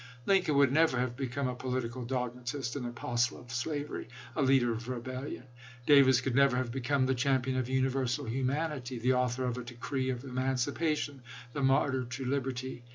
Lincoln would never have become a po litical dogmatist, an apostle of slavery, a leader of rebellion ; Davis could never have become the champion of universal humanity, the author of a decree of emancipation, the martyr to liberty.